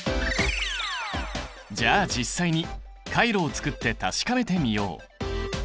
じゃあ実際にカイロをつくって確かめてみよう！